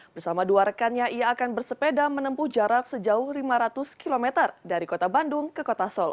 bersama dua rekannya ia akan bersepeda menempuh jarak sejauh lima ratus km dari kota bandung ke kota solo